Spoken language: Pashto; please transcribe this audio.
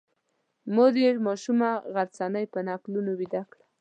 مور یې ماشومه غرڅنۍ په نکلونو ویده کوي.